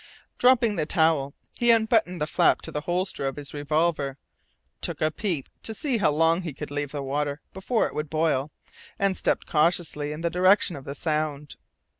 Dropping the towel, he unbuttoned the flap to the holster of his revolver, took a peep to see how long he could leave the water before it would boil, and stepped cautiously in the direction of the sound.